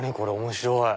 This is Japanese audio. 面白い。